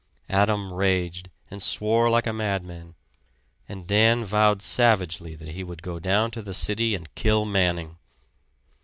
Adam raged and swore like a madman, and Dan vowed savagely that he would go down to the city and kill Manning.